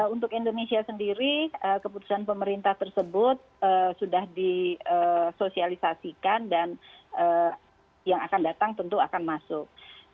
untuk indonesia sendiri keputusan pemerintah tersebut sudah disosialisasikan dan yang akan datang tentu akan masuk